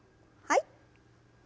はい。